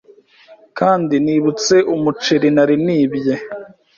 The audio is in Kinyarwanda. Kandi nibutse umuceri nari nibye